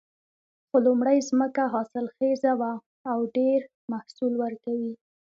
خو لومړۍ ځمکه حاصلخیزه وه او ډېر محصول ورکوي